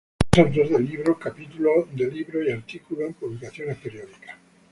Es autor de libros, capítulos de libros y artículos en publicaciones periódicas.